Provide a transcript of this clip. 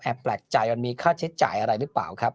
แปลกใจมันมีค่าใช้จ่ายอะไรหรือเปล่าครับ